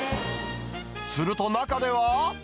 すると、中では。